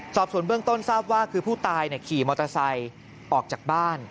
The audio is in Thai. สอบส่วนเบื้องต้นทราบว่าคือผู้ตายขี่มอเตอร์ไซค์ออกจากบ้าน